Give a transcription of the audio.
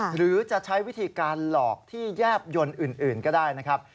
หรือจะใช้วิธีการหลอกที่แยบยนต์อื่นก็ได้นะครับ